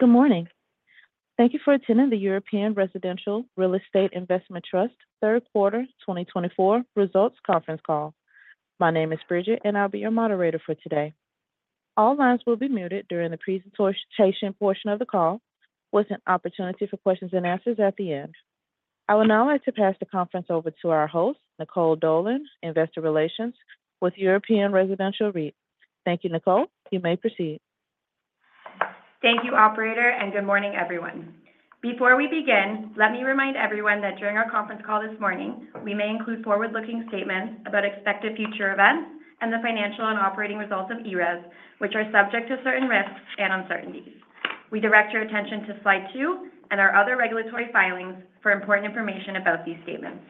Good morning. Thank you for attending the European Residential Real Estate Investment Trust, third quarter 2024 results conference call. My name is Bridget, and I'll be your moderator for today. All lines will be muted during the presentation portion of the call, with an opportunity for questions and answers at the end. I would now like to pass the conference over to our host, Nicole Dolan, Investor Relations with European Residential REIT. Thank you, Nicole. You may proceed. Thank you, operator, and good morning, everyone. Before we begin, let me remind everyone that during our conference call this morning, we may include forward-looking statements about expected future events and the financial and operating results of ERES, which are subject to certain risks and uncertainties. We direct your attention to slide two and our other regulatory filings for important information about these statements.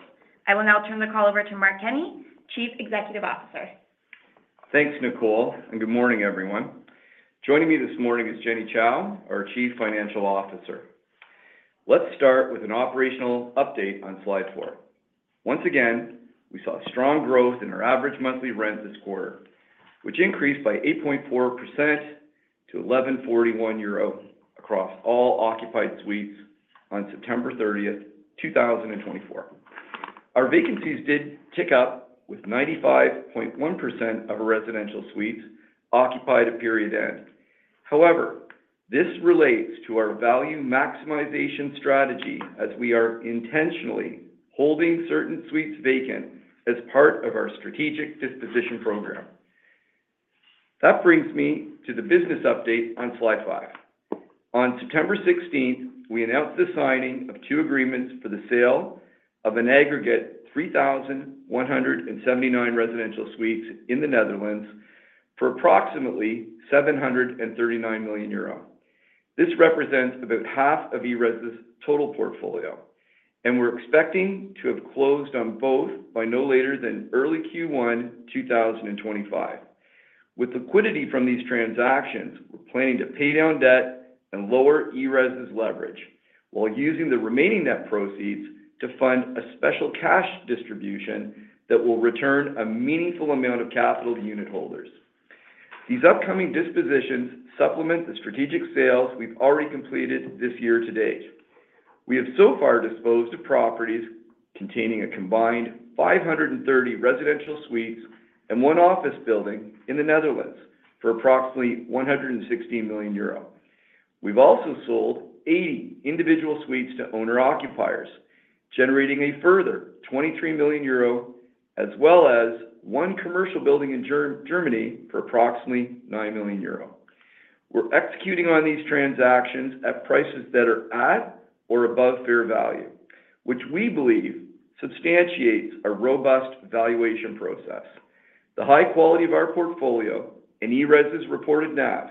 I will now turn the call over to Mark Kenney, Chief Executive Officer. Thanks, Nicole, and good morning, everyone. Joining me this morning is Jenny Chou, our Chief Financial Officer. Let's start with an operational update on slide four. Once again, we saw strong growth in our average monthly rent this quarter, which increased by 8.4% to 1,141 euro across all occupied suites on September 30, 2024. Our vacancies did tick up, with 95.1% of our residential suites occupied at period end. However, this relates to our value maximization strategy, as we are intentionally holding certain suites vacant as part of our strategic disposition program. That brings me to the business update on slide five. On September 16, we announced the signing of two agreements for the sale of an aggregate 3,179 residential suites in the Netherlands for approximately 739 million euro. This represents about half of ERES's total portfolio, and we're expecting to have closed on both by no later than early Q1 2025. With liquidity from these transactions, we're planning to pay down debt and lower ERES's leverage while using the remaining net proceeds to fund a special cash distribution that will return a meaningful amount of capital to unit holders. These upcoming dispositions supplement the strategic sales we've already completed this year to date. We have so far disposed of properties containing a combined 530 residential suites and one office building in the Netherlands for approximately 116 million euro. We've also sold 80 individual suites to owner-occupiers, generating a further 23 million euro, as well as one commercial building in Germany for approximately 9 million euro. We're executing on these transactions at prices that are at or above fair value, which we believe substantiates our robust valuation process, the high quality of our portfolio, and ERES's reported NAV.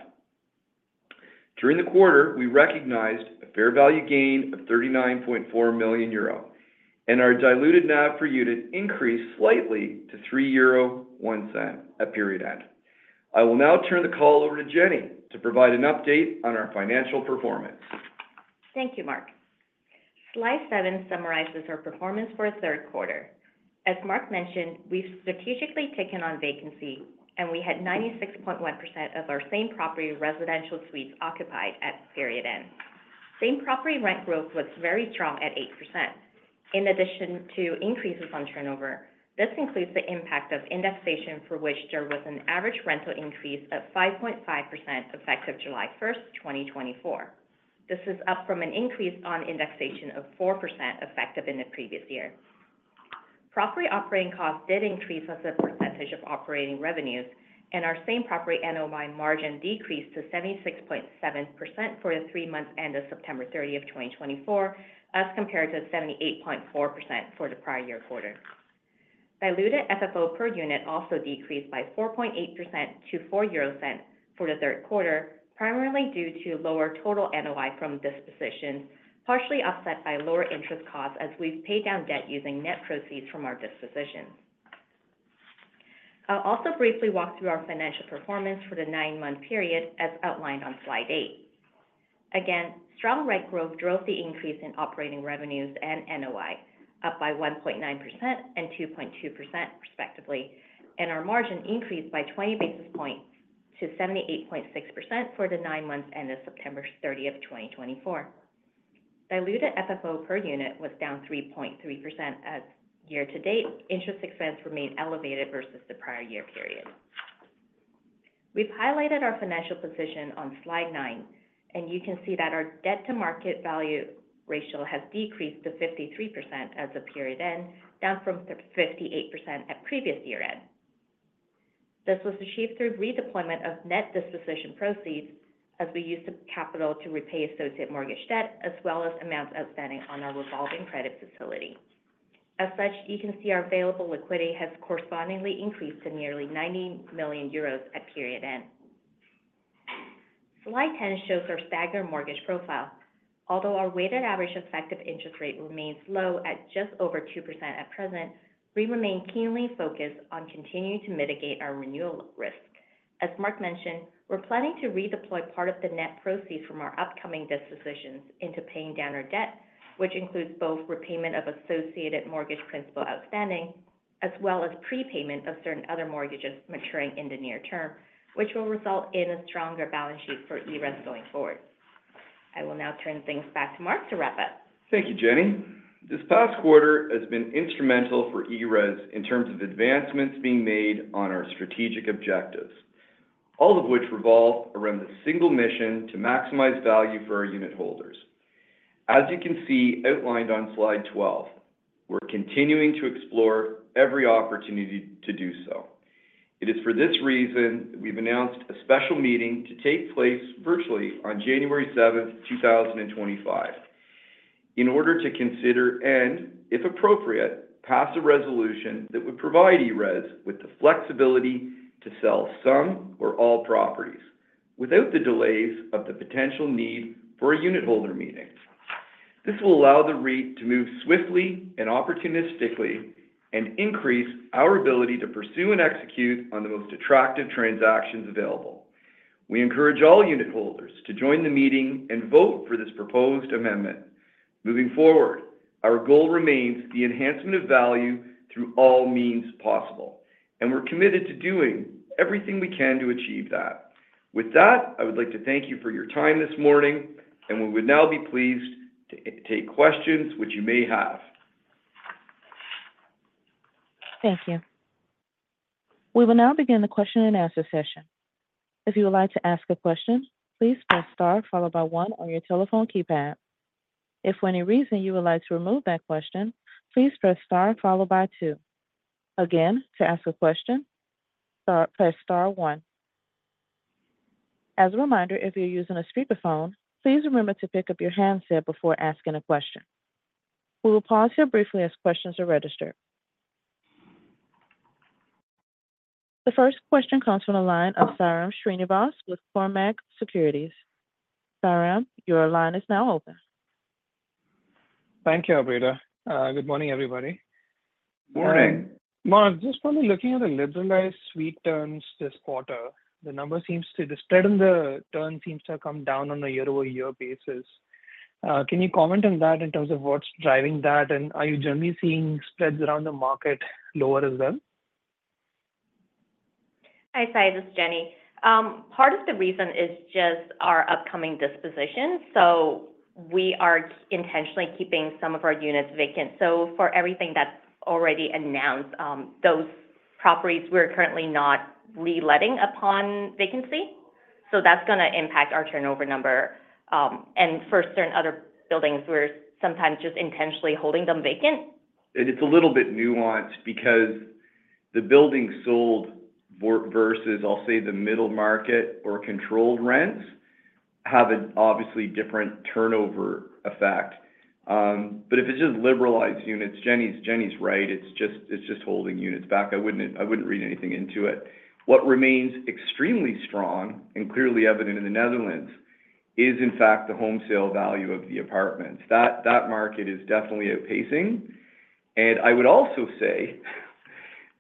During the quarter, we recognized a fair value gain of €39.4 million, and our diluted NAV per unit increased slightly to 3.01 euro at period end. I will now turn the call over to Jenny to provide an update on our financial performance. Thank you Mark. slide seven summarizes our performance for the third quarter. As Mark mentioned, we've strategically taken on vacancy, and we had 96.1% of our same property residential suites occupied at period end. Same property rent growth was very strong at 8%. In addition to increases on turnover, this includes the impact of indexation, for which there was an average rental increase of 5.5% effective July 1, 2024. This is up from an increase on indexation of 4% effective in the previous year. Property operating costs did increase as a percentage of operating revenues, and our same property NOI margin decreased to 76.7% for the three months ended September 30, 2024, as compared to 78.4% for the prior year quarter. Diluted FFO per unit also decreased by 4.8% to 4.00 euro for the third quarter, primarily due to lower total NOI from dispositions, partially offset by lower interest costs as we've paid down debt using net proceeds from our dispositions. I'll also briefly walk through our financial performance for the nine-month period, as outlined on slide eight. Again, strong rent growth drove the increase in operating revenues and NOI, up by 1.9% and 2.2%, respectively, and our margin increased by 20 basis points to 78.6% for the nine months end of September 30, 2024. Diluted FFO per unit was down 3.3% as year to date. Interest expense remained elevated versus the prior year period. We've highlighted our financial position on slide nine, and you can see that our debt-to-market value ratio has decreased to 53% as a period end, down from 58% at previous year end. This was achieved through redeployment of net disposition proceeds as we used the capital to repay associate mortgage debt, as well as amounts outstanding on our revolving credit facility. As such, you can see our available liquidity has correspondingly increased to nearly 90 million euros at period end. Slide 10 shows our staggered mortgage profile. Although our weighted average effective interest rate remains low at just over 2% at present, we remain keenly focused on continuing to mitigate our renewal risk. As Mark mentioned, we're planning to redeploy part of the net proceeds from our upcoming dispositions into paying down our debt, which includes both repayment of associated mortgage principal outstanding as well as prepayment of certain other mortgages maturing in the near term, which will result in a stronger balance sheet for ERES going forward. I will now turn things back to Mark to wrap up. Thank you Jenny. This past quarter has been instrumental for ERES in terms of advancements being made on our strategic objectives, all of which revolve around the single mission to maximize value for our unit holders. As you can see outlined on slide 12, we're continuing to explore every opportunity to do so. It is for this reason that we've announced a special meeting to take place virtually on January 7, 2025, in order to consider and, if appropriate, pass a resolution that would provide ERES with the flexibility to sell some or all properties without the delays of the potential need for a unit holder meeting. This will allow the REIT to move swiftly and opportunistically and increase our ability to pursue and execute on the most attractive transactions available. We encourage all unit holders to join the meeting and vote for this proposed amendment. Moving forward, our goal remains the enhancement of value through all means possible, and we're committed to doing everything we can to achieve that. With that, I would like to thank you for your time this morning, and we would now be pleased to take questions, which you may have. Thank you. We will now begin the question and answer session. If you would like to ask a question, please press star followed by one on your telephone keypad. If for any reason you would like to remove that question, please press star followed by two. Again, to ask a question, press star one. As a reminder, if you're using a speakerphone, please remember to pick up your handset before asking a question. We will pause here briefly as questions are registered. The first question comes from the line of Sairam Srinivas with Cormark Securities. Sairam, your line is now open. Thank you Bridget. Good morning, everybody. Morning. Morning. Just from looking at the liberalized suite terms this quarter, the spread in the terms seems to have come down on a year-over-year basis. Can you comment on that in terms of what's driving that, and are you generally seeing spreads around the market lower as well? Hi, Sairam. This is Jenny. Part of the reason is just our upcoming disposition. So we are intentionally keeping some of our units vacant. So for everything that's already announced, those properties, we're currently not reletting upon vacancy. So that's going to impact our turnover number. And for certain other buildings, we're sometimes just intentionally holding them vacant. And it's a little bit nuanced because the building sold versus, I'll say, the middle market or controlled rents have an obviously different turnover effect. But if it's just liberalized units, Jenny's right. It's just holding units back. I wouldn't read anything into it. What remains extremely strong and clearly evident in the Netherlands is, in fact, the home sale value of the apartments. That market is definitely outpacing. And I would also say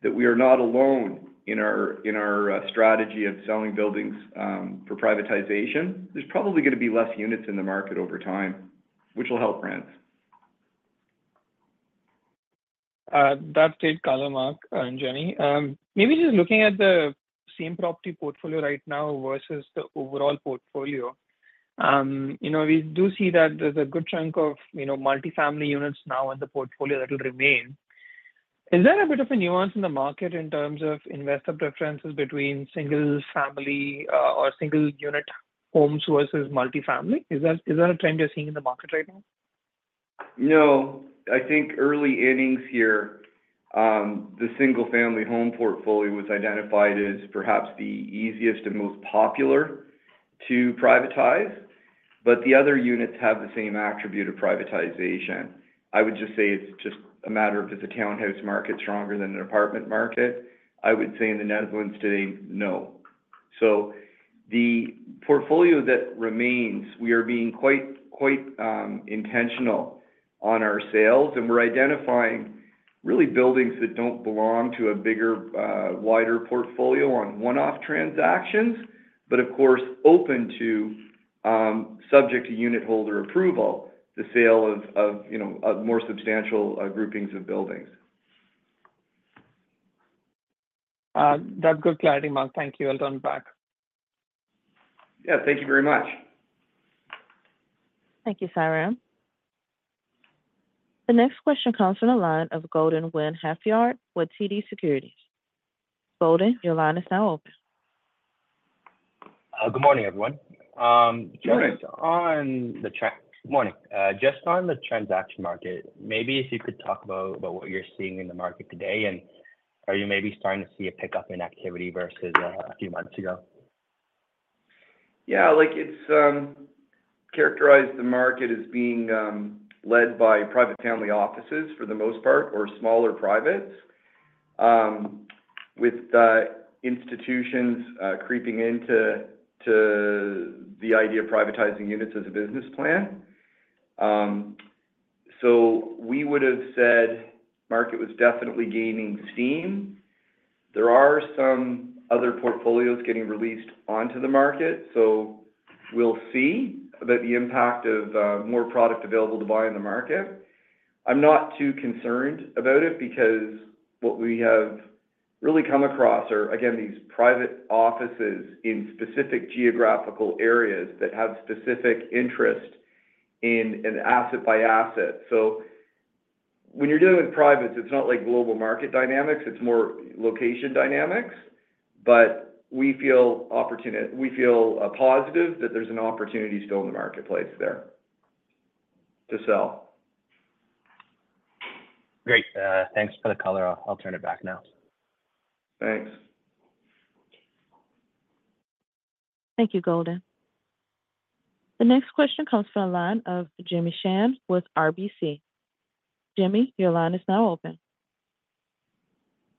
that we are not alone in our strategy of selling buildings for privatization. There's probably going to be less units in the market over time, which will help rents. That's great, Karla and Jenny. Maybe just looking at the same property portfolio right now versus the overall portfolio, we do see that there's a good chunk of multifamily units now in the portfolio that will remain. Is there a bit of a nuance in the market in terms of investor preferences between single-family or single-unit homes versus multifamily? Is that a trend you're seeing in the market right now? No. I think early innings here, the single-family home portfolio was identified as perhaps the easiest and most popular to privatize. But the other units have the same attribute of privatization. I would just say it's just a matter of, is the townhouse market stronger than the apartment market? I would say in the Netherlands today, no. So the portfolio that remains, we are being quite intentional on our sales, and we're identifying really buildings that don't belong to a bigger, wider portfolio on one-off transactions, but of course, open to, subject to unit holder approval, the sale of more substantial groupings of buildings. That's good clarity. Mark, thank you. I'll turn back. Yeah. Thank you very much. Thank you, Sairam. The next question comes from the line of Gordon Wen Hafjard with TD Securities. Golden, your line is now open. Good morning, everyone. Morning. Just on the transaction market, maybe if you could talk about what you're seeing in the market today and are you maybe starting to see a pickup in activity versus a few months ago? Yeah. It's characterized the market as being led by private family offices for the most part or smaller privates, with institutions creeping into the idea of privatizing units as a business plan. So we would have said the market was definitely gaining steam. There are some other portfolios getting released onto the market. So we'll see about the impact of more product available to buy in the market. I'm not too concerned about it because what we have really come across are, again, these private offices in specific geographical areas that have specific interest in an asset by asset. So when you're dealing with privates, it's not like global market dynamics. It's more location dynamics. But we feel positive that there's an opportunity still in the marketplace there to sell. Great. Thanks for the color. I'll turn it back now. Thanks. Thank you Golden. The next question comes from the line of Jimmy Shan with RBC. Jimmy, your line is now open.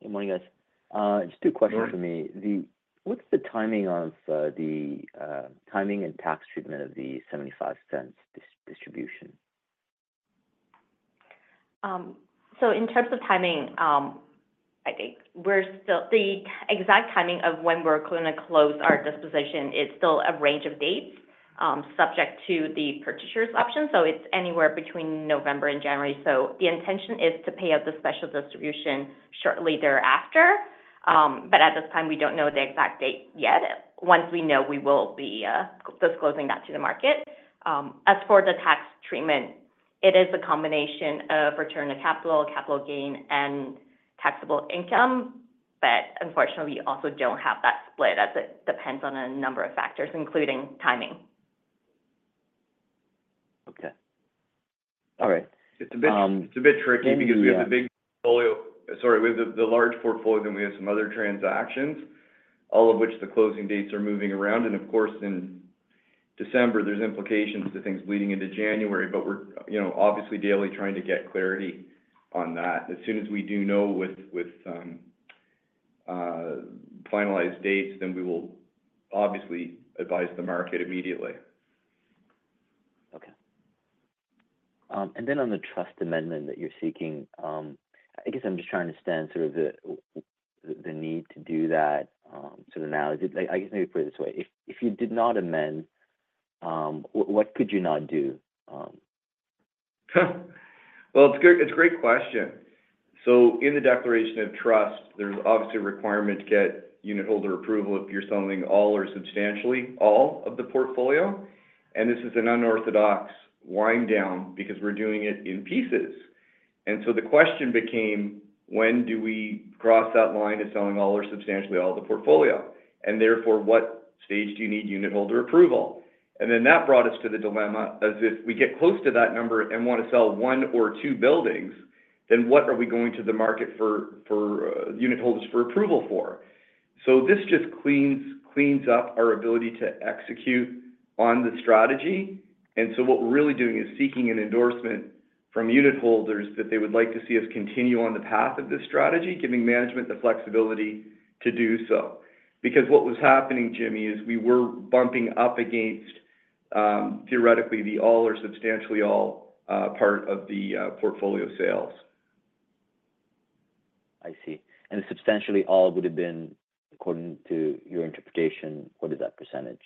Good morning, guys. Just two questions for me. What's the timing and tax treatment of the 0.75 distribution? In terms of timing, I think the exact timing of when we're going to close our disposition is still a range of dates subject to the purchaser's option. It's anywhere between November and January. The intention is to pay out the special distribution shortly thereafter, but at this time, we don't know the exact date yet. Once we know, we will be disclosing that to the market. As for the tax treatment, it is a combination of return of capital, capital gain, and taxable income, but unfortunately, we also don't have that split as it depends on a number of factors, including timing. Okay. All right. It's a bit tricky because we have a big portfolio. Sorry, we have the large portfolio, then we have some other transactions, all of which the closing dates are moving around, and of course, in December, there's implications to things leading into January, but we're obviously daily trying to get clarity on that. As soon as we do know with finalized dates, then we will obviously advise the market immediately. Okay. And then on the trust amendment that you're seeking, I guess I'm just trying to understand sort of the need to do that sort of now. I guess maybe put it this way. If you did not amend, what could you not do? It's a great question. So in the Declaration of Trust, there's obviously a requirement to get unit holder approval if you're selling all or substantially all of the portfolio. And this is an unorthodox wind down because we're doing it in pieces. And so the question became, when do we cross that line to selling all or substantially all of the portfolio? And therefore, what stage do you need unit holder approval? And then that brought us to the dilemma as if we get close to that number and want to sell one or two buildings, then what are we going to the market for unit holders for approval for? So this just cleans up our ability to execute on the strategy. And so what we're really doing is seeking an endorsement from unit holders that they would like to see us continue on the path of this strategy, giving management the flexibility to do so. Because what was happening, Jimmy, is we were bumping up against theoretically the all or substantially all part of the portfolio sales. I see. And the substantially all would have been, according to your interpretation, what is that percentage?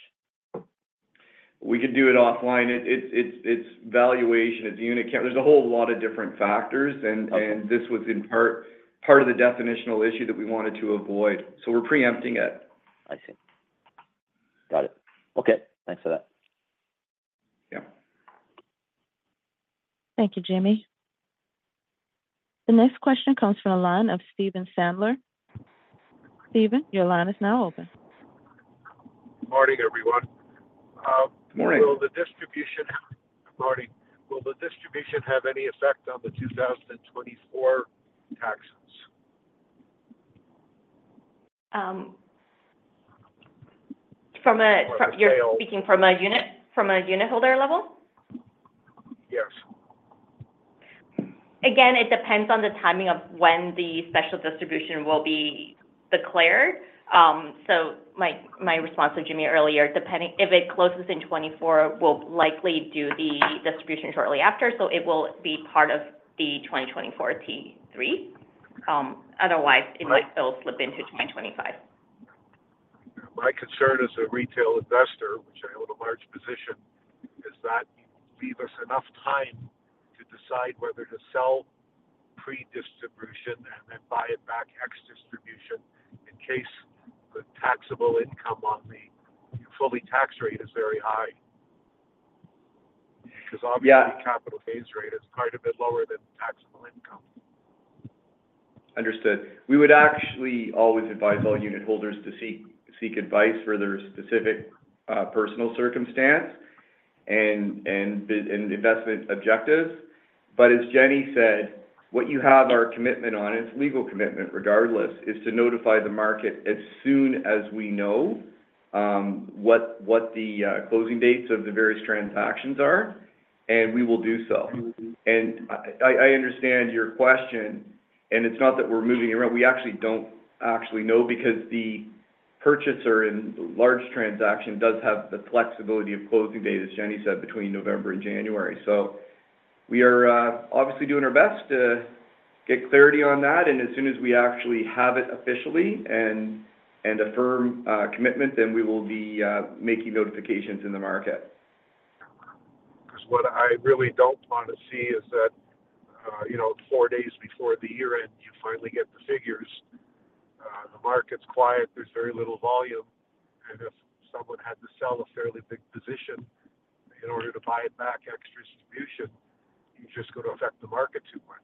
We could do it offline. It's valuation. It's unit count. There's a whole lot of different factors, and this was in part of the definitional issue that we wanted to avoid, so we're preempting it. I see. Got it. Okay. Thanks for that. Yeah. Thank you, Jimmy. The next question comes from the line of Stephen Sandler. Stephen, your line is now open. Good morning, everyone. Good morning. Good morning. Will the distribution have any effect on the 2024 taxes? You're speaking from a Unit Holder level? Yes. Again, it depends on the timing of when the special distribution will be declared. So my response to Jimmy earlier, if it closes in 2024, we'll likely do the distribution shortly after. So it will be part of the 2024 T3. Otherwise, it might still slip into 2025. My concern as a retail investor, which I own a large position, is that you leave us enough time to decide whether to sell pre-distribution and then buy it back ex-distribution in case the taxable income on the full tax rate is very high. Because obviously, capital gains rate is quite a bit lower than taxable income. Understood. We would actually always advise all unit holders to seek advice for their specific personal circumstance and investment objectives, but as Jenny said, what you have our commitment on, it's legal commitment regardless, is to notify the market as soon as we know what the closing dates of the various transactions are, and we will do so, and I understand your question, and it's not that we're moving around. We actually don't actually know because the purchaser in the large transaction does have the flexibility of closing date, as Jenny said, between November and January, so we are obviously doing our best to get clarity on that, and as soon as we actually have it officially and a firm commitment, then we will be making notifications in the market. Because what I really don't want to see is that four days before the year-end, you finally get the figures. The market's quiet. There's very little volume. And if someone had to sell a fairly big position in order to buy it back ex-distribution, you're just going to affect the market too much.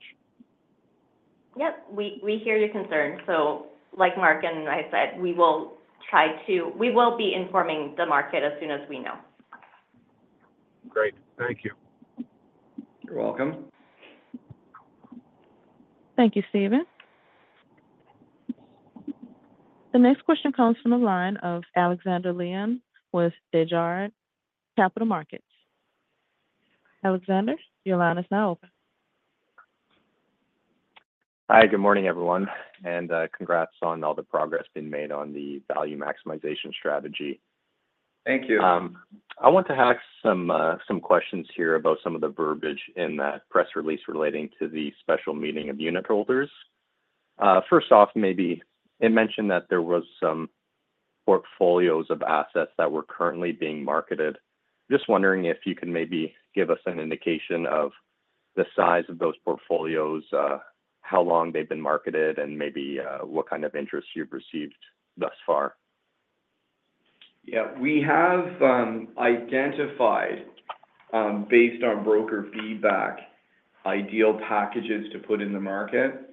Yep. We hear your concern. So like Mark and I said, we will be informing the market as soon as we know. Great. Thank you. You're welcome. Thank you, Stephen. The next question comes from the line of Alexander Leon with Desjardins Capital Markets. Alexander, your line is now open. Hi. Good morning, everyone, and congrats on all the progress being made on the value maximization strategy. Thank you. I want to ask some questions here about some of the verbiage in that press release relating to the special meeting of unit holders. First off, maybe it mentioned that there were some portfolios of assets that were currently being marketed. Just wondering if you could maybe give us an indication of the size of those portfolios, how long they've been marketed, and maybe what kind of interest you've received thus far. Yeah. We have identified, based on broker feedback, ideal packages to put in the market.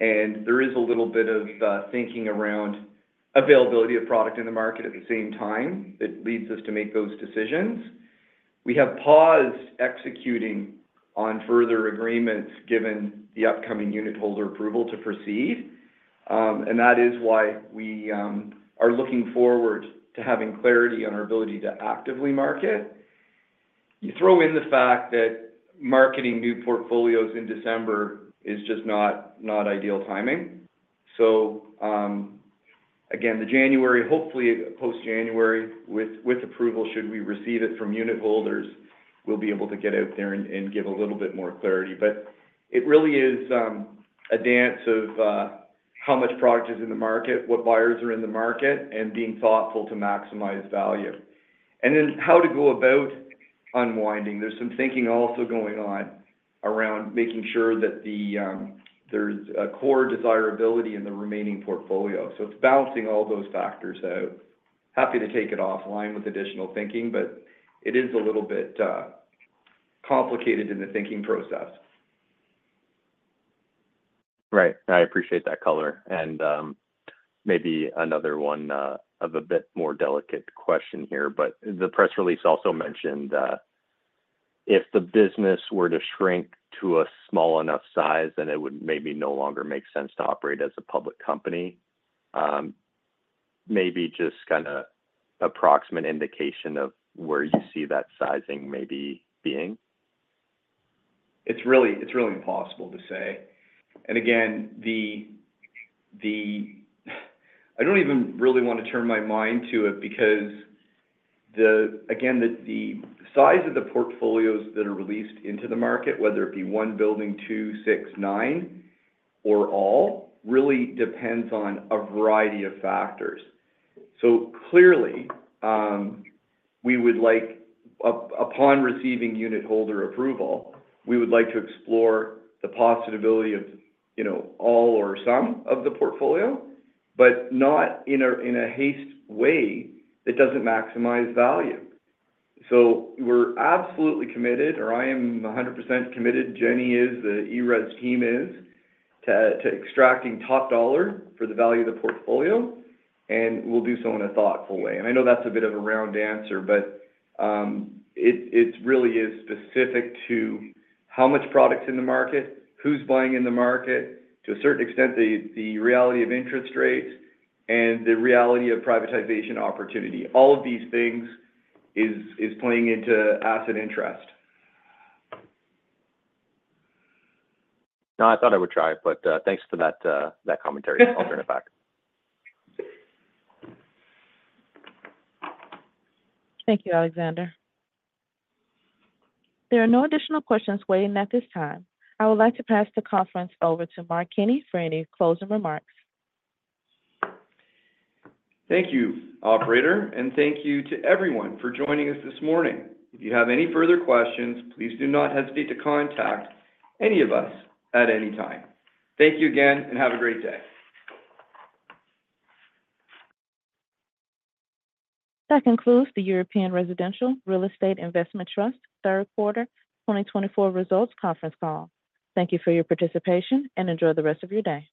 And there is a little bit of thinking around availability of product in the market at the same time that leads us to make those decisions. We have paused executing on further agreements given the upcoming unit holder approval to proceed. And that is why we are looking forward to having clarity on our ability to actively market. You throw in the fact that marketing new portfolios in December is just not ideal timing. So again, the January, hopefully post-January with approval, should we receive it from unit holders, we'll be able to get out there and give a little bit more clarity. But it really is a dance of how much product is in the market, what buyers are in the market, and being thoughtful to maximize value. And then, how to go about unwinding. There's some thinking also going on around making sure that there's a core desirability in the remaining portfolio. So, it's balancing all those factors out. Happy to take it offline with additional thinking, but it is a little bit complicated in the thinking process. Right. I appreciate that color, and maybe another one of a bit more delicate question here, but the press release also mentioned if the business were to shrink to a small enough size, then it would maybe no longer make sense to operate as a public company. Maybe just kind of approximate indication of where you see that sizing maybe being? It's really impossible to say. And again, I don't even really want to turn my mind to it because, again, the size of the portfolios that are released into the market, whether it be one building, two, six, nine, or all, really depends on a variety of factors. So clearly, we would like, upon receiving unit holder approval, we would like to explore the possibility of all or some of the portfolio, but not in a hasty way that doesn't maximize value. So we're absolutely committed, or I am 100% committed, Jenny is, the ERES team is, to extracting top dollar for the value of the portfolio. And we'll do so in a thoughtful way. I know that's a bit of a round answer, but it really is specific to how much product is in the market, who's buying in the market, to a certain extent the reality of interest rates, and the reality of privatization opportunity. All of these things are playing into asset interest. No, I thought I would try it. But thanks for that commentary. I'll turn it back. Thank you, Alexander. There are no additional questions waiting at this time. I would like to pass the conference over to Mark Kenney for any closing remarks. Thank you, operator. And thank you to everyone for joining us this morning. If you have any further questions, please do not hesitate to contact any of us at any time. Thank you again, and have a great day. That concludes the European Residential Real Estate Investment Trust Third Quarter 2024 Results Conference Call. Thank you for your participation and enjoy the rest of your day.